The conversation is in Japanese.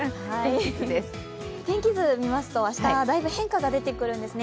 天気図みますと、明日だいぶ変化が出てくるんですね。